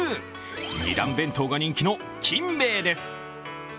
２段弁当が人気の金兵衛です。